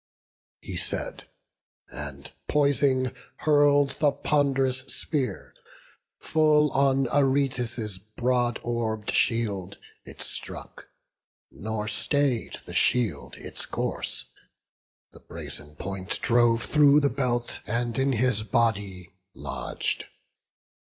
He said, and, poising, hurl'd the pond'rous spear; Full on Aretus' broad orb'd shield it struck; Nor stay'd the shield its course; the brazen point Drove through the belt, and in his body lodg'd.